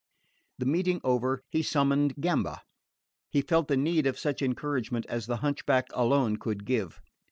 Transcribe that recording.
The meeting over, he summoned Gamba. He felt the need of such encouragement as the hunchback alone could give.